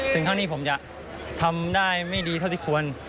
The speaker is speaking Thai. ถึงเท่านี้ผมจะทำได้ไม่ดีเท่าที่ควร